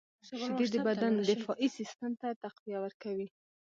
• شیدې د بدن دفاعي سیسټم ته تقویه ورکوي.